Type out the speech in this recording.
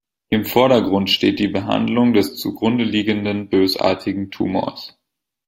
Im Vordergrund steht die Behandlung des zugrundeliegenden bösartigen Tumors.